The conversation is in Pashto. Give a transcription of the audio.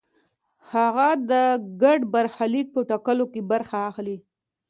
هغه د ګډ برخلیک په ټاکلو کې برخه اخلي.